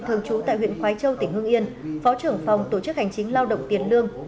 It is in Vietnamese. thường trú tại huyện khói châu tỉnh hương yên phó trưởng phòng tổ chức hành chính lao động tiền lương